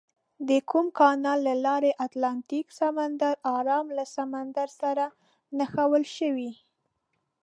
د کوم کانال له لارې اتلانتیک سمندر ارام له سمندر سره نښلول شوي؟